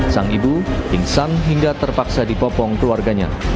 sang ibu pingsan hingga terpaksa dipopong keluarganya